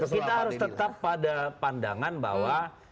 kita harus tetap pada pandangan bahwa